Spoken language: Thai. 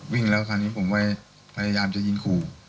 แล้วคราวนี้ผมก็พยายามจะยิงขู่